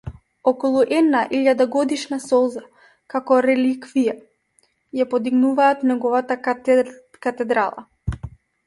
Околу една илјадагодишна солза, како реликвија, ја подигнуваат неговата катедрала.